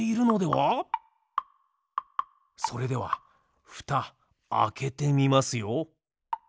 それではふたあけてみますよ。